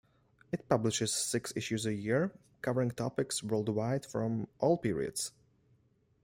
It publishes six issues a year, covering topics worldwide from all periods.